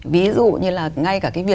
ví dụ như là ngay cả cái viên